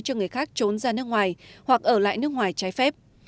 cho người khác trốn ra nước ngoài hoặc ở lại nước ngoài trái phép